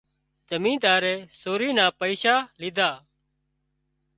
زمينۮارئي سوري نا پئيشا ليڌا